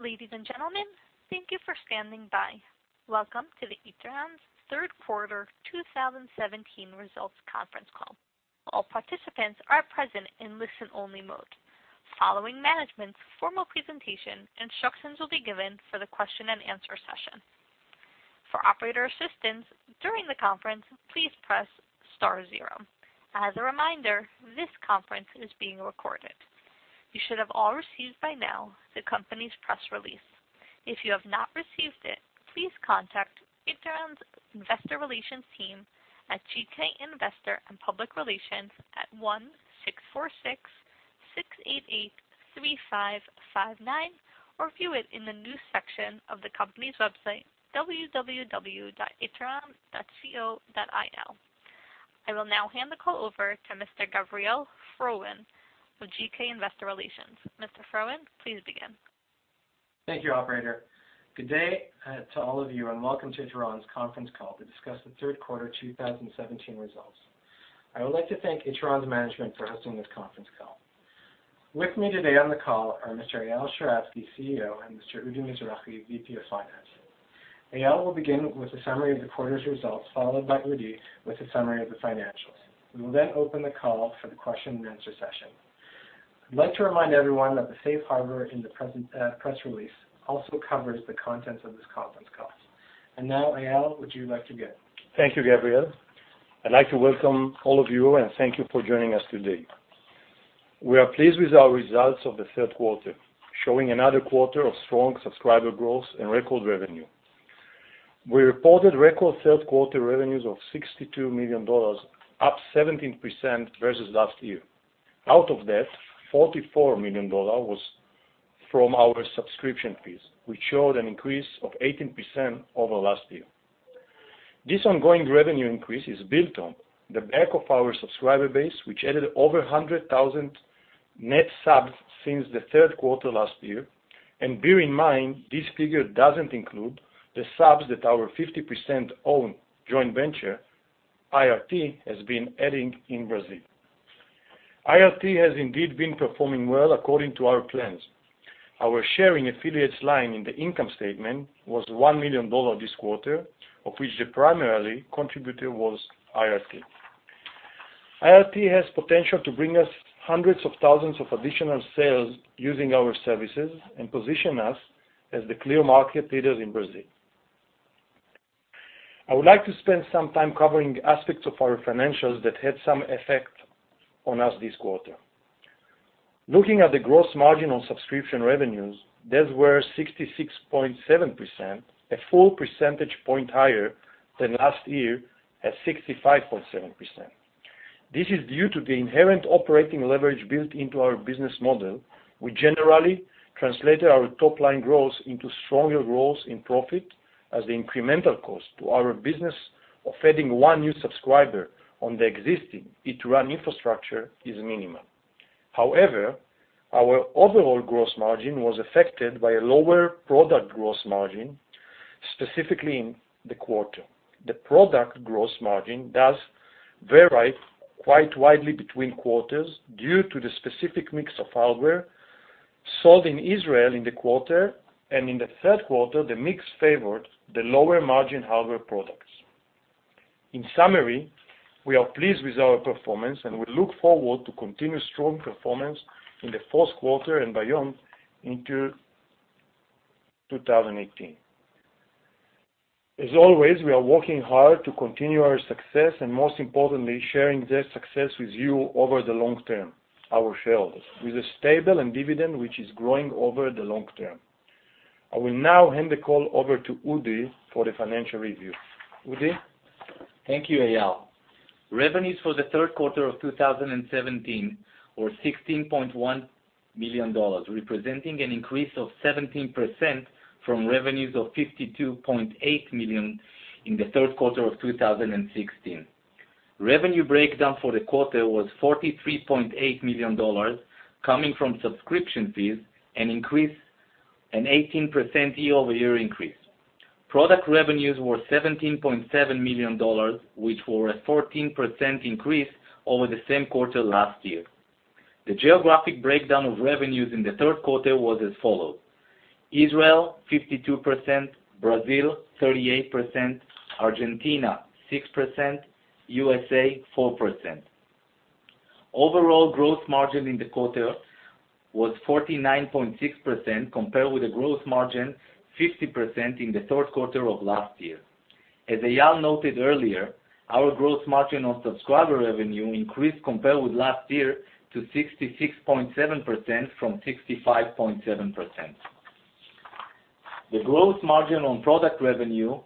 Ladies and gentlemen, thank you for standing by. Welcome to Ituran's third quarter 2017 results conference call. All participants are present in listen-only mode. Following management's formal presentation, instructions will be given for the question and answer session. For operator assistance during the conference, please press star zero. As a reminder, this conference is being recorded. You should have all received by now the company's press release. If you have not received it, please contact Ituran's investor relations team at GK Investor & Public Relations at +1-646-688-3559 or view it in the news section of the company's website, www.ituran.com. I will now hand the call over to Mr. Gavriel Frowen of GK Investor Relations. Mr. Frowen, please begin. Thank you, operator. Good day to all of you, and welcome to Ituran's conference call to discuss the third quarter 2017 results. I would like to thank Ituran's management for hosting this conference call. With me today on the call are Mr. Eyal Sheratzky, CEO, and Mr. Udi Mizrahi, VP of Finance. Eyal will begin with a summary of the quarter's results, followed by Udi with a summary of the financials. We will then open the call for the question and answer session. I'd like to remind everyone that the safe harbor in the press release also covers the contents of this conference call. Now, Eyal, would you like to begin? Thank you, Gavriel. I'd like to welcome all of you and thank you for joining us today. We are pleased with our results of the third quarter, showing another quarter of strong subscriber growth and record revenue. We reported record third-quarter revenues of $62 million, up 17% versus last year. Out of that, $44 million was from our subscription fees, which showed an increase of 18% over last year. This ongoing revenue increase is built on the back of our subscriber base, which added over 100,000 net subs since the third quarter last year, and bear in mind, this figure doesn't include the subs that our 50%-owned joint venture, IRT, has been adding in Brazil. IRT has indeed been performing well according to our plans. Our share in affiliates line in the income statement was $1 million this quarter, of which the primary contributor was IRT. IRT has potential to bring us hundreds of thousands of additional sales using our services and position us as the clear market leaders in Brazil. I would like to spend some time covering aspects of our financials that had some effect on us this quarter. Looking at the gross margin on subscription revenues, those were 66.7%, a full percentage point higher than last year at 65.7%. This is due to the inherent operating leverage built into our business model, which generally translated our top-line growth into stronger growth in profit as the incremental cost to our business of adding one new subscriber on the existing Ituran infrastructure is minimal. Our overall gross margin was affected by a lower product gross margin, specifically in the quarter. The product gross margin does vary quite widely between quarters due to the specific mix of hardware sold in Israel in the quarter. In the third quarter, the mix favored the lower-margin hardware products. In summary, we are pleased with our performance, and we look forward to continued strong performance in the fourth quarter and beyond into 2018. As always, we are working hard to continue our success and, most importantly, sharing this success with you over the long term, our shareholders, with a stable end dividend, which is growing over the long term. I will now hand the call over to Udi for the financial review. Udi? Thank you, Eyal. Revenues for the third quarter of 2017 were $62 million, representing an increase of 17% from revenues of $52.8 million in the third quarter of 2016. Revenue breakdown for the quarter was $43.8 million coming from subscription fees, an 18% year-over-year increase. Product revenues were $17.7 million, which were a 14% increase over the same quarter last year. The geographic breakdown of revenues in the third quarter was as follows: Israel 52%, Brazil 38%, Argentina 6%, U.S.A. 4%. Overall gross margin in the quarter was 49.6%, compared with a gross margin 50% in the third quarter of last year. As Eyal noted earlier, our gross margin on subscriber revenue increased compared with last year to 66.7% from 65.7%. The gross margin on product revenue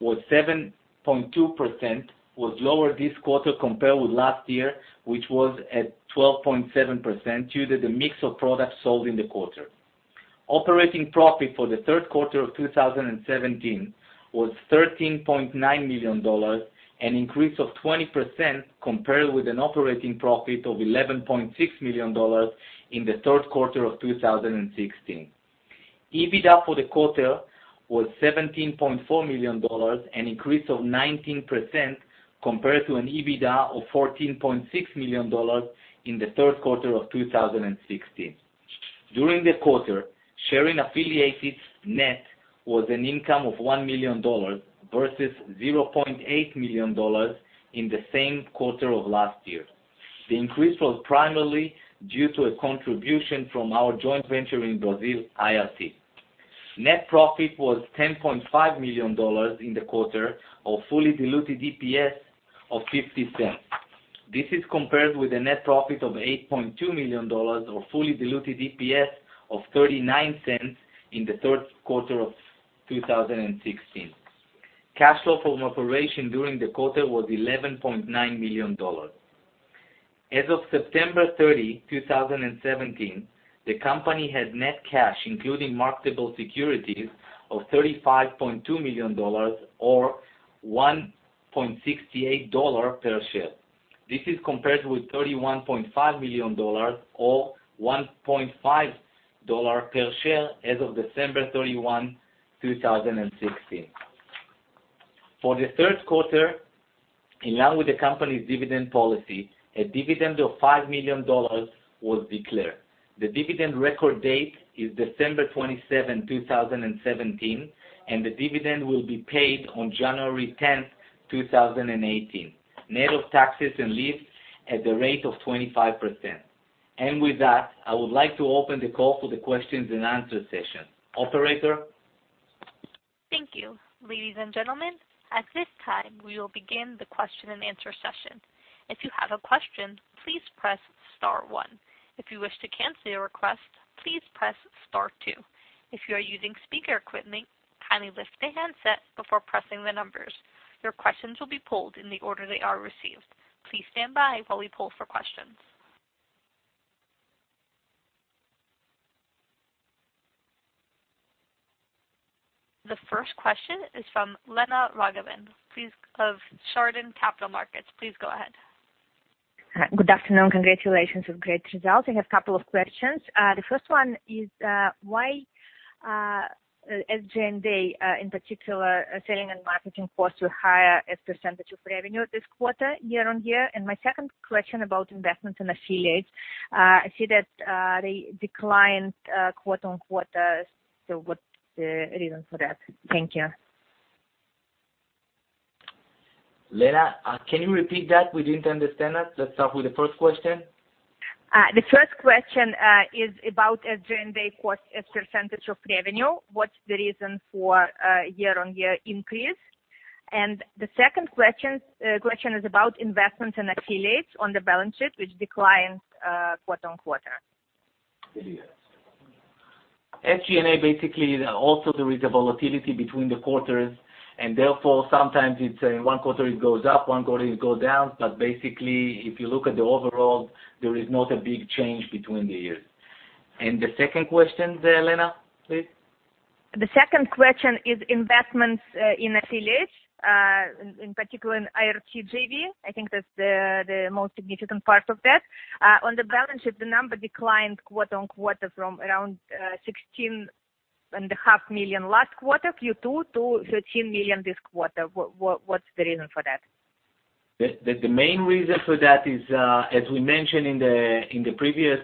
was 7.2%, was lower this quarter compared with last year, which was at 12.7% due to the mix of products sold in the quarter. Operating profit for the third quarter of 2017 was $13.9 million, an increase of 20% compared with an operating profit of $11.6 million in the third quarter of 2016. EBITDA for the quarter was $17.4 million, an increase of 19% compared to an EBITDA of $14.6 million in the third quarter of 2016. During the quarter, sharing affiliates' net was an income of $1 million versus $0.8 million in the same quarter of last year. The increase was primarily due to a contribution from our joint venture in Brazil, IRT. Net profit was $10.5 million in the quarter of fully diluted EPS of $0.50. This is compared with a net profit of $8.2 million or fully diluted EPS of $0.39 in the third quarter of 2016. Cash flow from operations during the quarter was $11.9 million. As of September 30, 2017, the company had net cash, including marketable securities, of $35.2 million or $1.68 per share. This is compared with $31.5 million or $1.5 per share as of December 31, 2016. For the third quarter, along with the company's dividend policy, a dividend of $5 million was declared. The dividend record date is December 27, 2017, and the dividend will be paid on January 10, 2018, net of taxes and lease at the rate of 25%. With that, I would like to open the call for the questions and answers session. Operator? Thank you. Ladies and gentlemen, at this time, we will begin the question and answer session. If you have a question, please press star one. If you wish to cancel your request, please press star two. If you are using speaker equipment, kindly lift the handset before pressing the numbers. Your questions will be polled in the order they are received. Please stand by while we poll for questions. The first question is from Lena Ragavan of Chardan Capital Markets. Please go ahead. Good afternoon. Congratulations on the great results. I have a couple of questions. The first one is, why SGA, in particular, selling and marketing costs were higher as a percentage of revenue this quarter year-on-year? My second question is about investments in affiliates. I see that they declined quarter-on-quarter. What's the reason for that? Thank you. Lena, can you repeat that? We didn't understand that. Let's start with the first question. The first question is about SGA costs as a percentage of revenue. What's the reason for a year-on-year increase? The second question is about investments in affiliates on the balance sheet, which declined quarter-on-quarter. SG&A, basically, also there is a volatility between the quarters. Therefore, sometimes in one quarter it goes up, one quarter it goes down. Basically, if you look at the overall, there is not a big change between the years. The second question, Lena, please. The second question is investments in affiliates, in particular in IRT JV. I think that's the most significant part of that. On the balance sheet, the number declined quarter-on-quarter from around NIS 16.5 million last quarter, Q2, to NIS 13 million this quarter. What's the reason for that? The main reason for that is, as we mentioned in the previous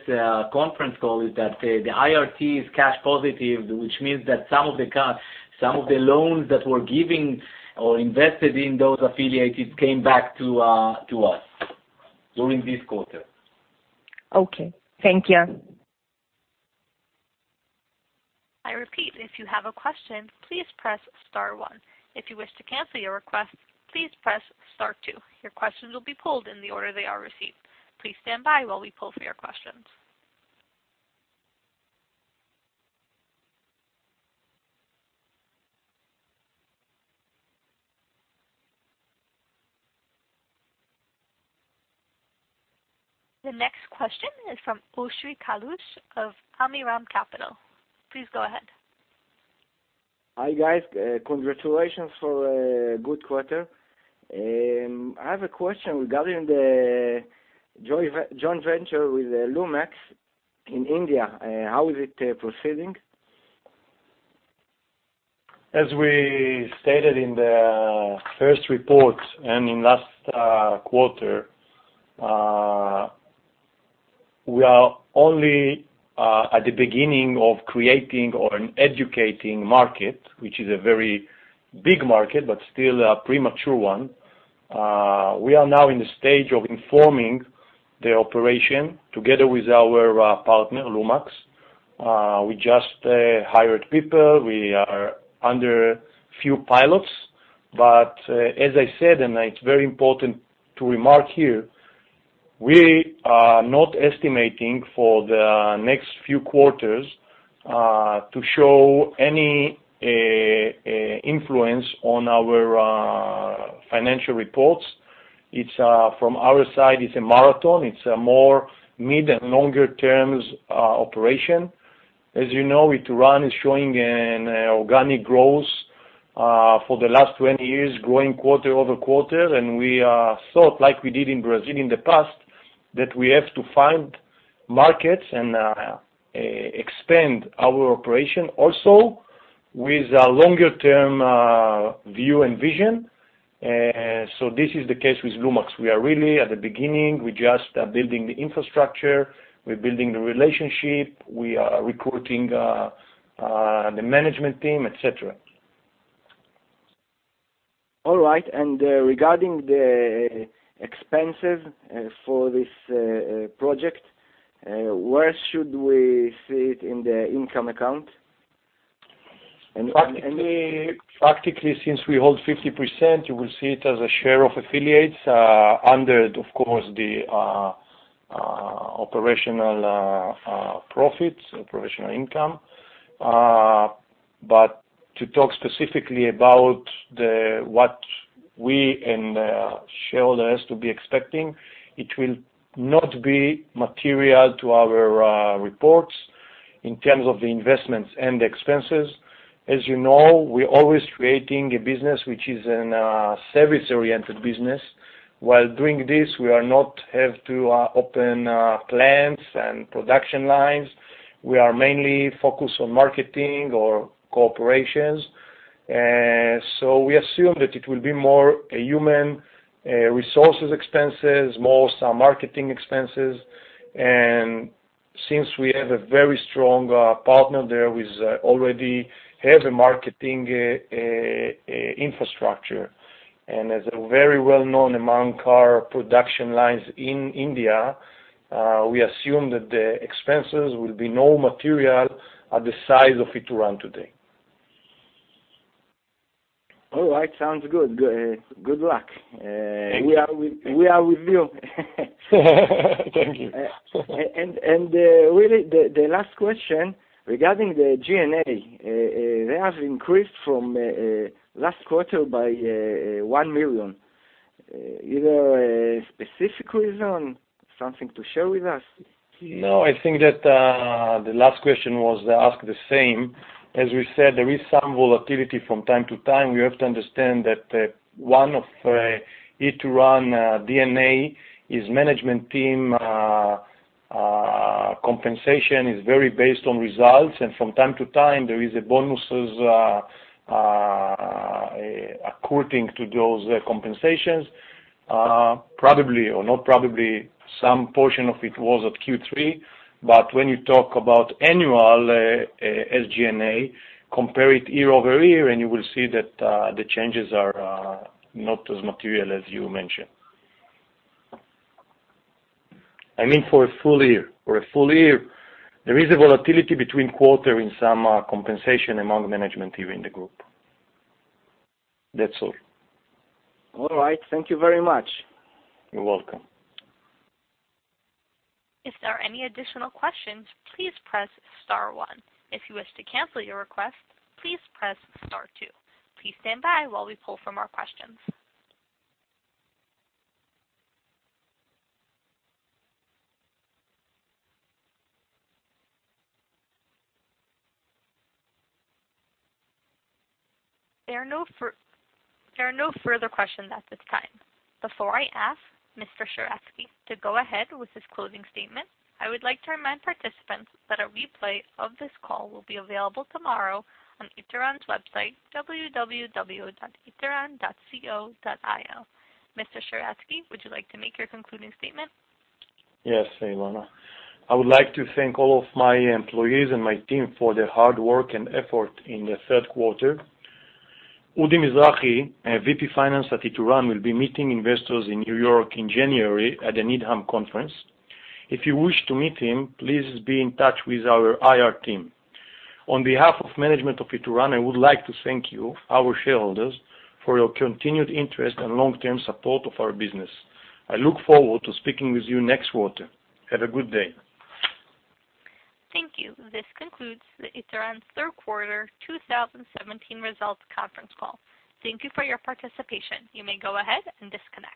conference call, is that the IRT is cash positive, which means that some of the loans that we're giving or invested in those affiliates came back to us during this quarter. Okay. Thank you. I repeat, if you have a question, please press star one. If you wish to cancel your request, please press star two. Your questions will be polled in the order they are received. Please stand by while we poll for your questions. The next question is from Oshri Kalush of Amiram Capital. Please go ahead. Hi, guys. Congratulations for a good quarter. I have a question regarding the joint venture with Lumax in India. How is it proceeding? As we stated in the first report and in last quarter, we are only at the beginning of creating or educating market, which is a very big market, but still a premature one. We are now in the stage of informing the operation together with our partner, Lumax. We just hired people. We are under a few pilots. As I said, and it's very important to remark here, we are not estimating for the next few quarters to show any influence on our financial reports. From our side, it's a marathon. It's a more mid and longer-term operation. As you know, Ituran is showing a Organic growth for the last 20 years, growing quarter over quarter, and we thought like we did in Brazil in the past, that we have to find markets and expand our operation also with a longer-term view and vision. This is the case with Lumax. We are really at the beginning. We're just building the infrastructure, we're building the relationship, we are recruiting the management team, et cetera. All right. Regarding the expenses for this project, where should we see it in the income account? Practically, since we hold 50%, you will see it as a share of affiliates under, of course, the operational profits, operational income. To talk specifically about what we and the shareholders to be expecting, it will not be material to our reports in terms of the investments and expenses. As you know, we're always creating a business which is a service-oriented business. While doing this, we are not have to open plants and production lines. We are mainly focused on marketing our corporations. We assume that it will be more a human resources expenses, more some marketing expenses. Since we have a very strong partner there who is already have a marketing infrastructure, and is a very well-known among car production lines in India, we assume that the expenses will be not material at the size of Ituran today. All right. Sounds good. Good luck. Thank you. We are with you. Thank you. Really, the last question, regarding the G&A, they have increased from last quarter by NIS 1 million. Is there a specific reason, something to share with us? No, I think that the last question was asked the same. As we said, there is some volatility from time to time. We have to understand that one of Ituran DNA is management team compensation is very based on results, and from time to time, there is a bonuses according to those compensations. Probably, or not probably, some portion of it was at Q3. When you talk about annual SG&A, compare it year-over-year, and you will see that the changes are not as material as you mentioned. I mean, for a full year. For a full year. There is a volatility between quarter in some compensation among management here in the group. That's all. All right. Thank you very much. You're welcome. If there are any additional questions, please press *1. If you wish to cancel your request, please press *2. Please stand by while we pull from more questions. There are no further questions at this time. Before I ask Mr. Sheratzky to go ahead with his closing statement, I would like to remind participants that a replay of this call will be available tomorrow on Ituran's website, www.ituran.com. Mr. Sheratzky, would you like to make your concluding statement? Yes, Ivana. I would like to thank all of my employees and my team for their hard work and effort in the third quarter. Udi Mizrahi, V.P. Finance at Ituran, will be meeting investors in New York in January at the Needham Conference. If you wish to meet him, please be in touch with our IR team. On behalf of management of Ituran, I would like to thank you, our shareholders, for your continued interest and long-term support of our business. I look forward to speaking with you next quarter. Have a good day. Thank you. This concludes the Ituran third quarter 2017 results conference call. Thank you for your participation. You may go ahead and disconnect.